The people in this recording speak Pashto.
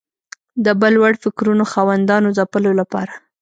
د بل وړ فکرونو خاوندانو ځپلو لپاره